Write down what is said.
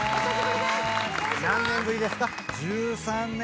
何年ぶりですか？